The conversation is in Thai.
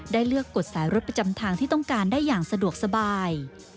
เลือกกดสายรถประจำทางที่ต้องการได้อย่างสะดวกสบาย